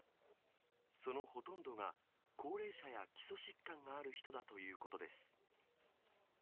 そのほとんどが、高齢者や基礎疾患がある人だということです。